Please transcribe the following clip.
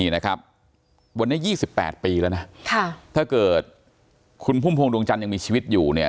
วันนี้๒๘ปีแล้วนะถ้าเกิดคุณพุ่มพวงดวงจันทร์ยังมีชีวิตอยู่